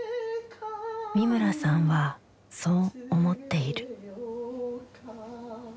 三村さんはそう思っている。